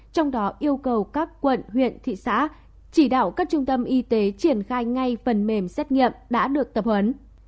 trong đó yêu cầu các quận huyện thị xã chỉ đạo các trung tâm y tế triển khai ngay phần mềm xét nghiệm đã được tập huấn